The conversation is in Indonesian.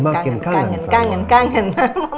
makin kangen sama ma kangen kangen kangen